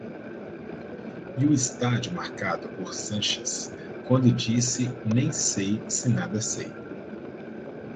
e o estádio marcado por Sanches, quando disse «nem sei se nada sei».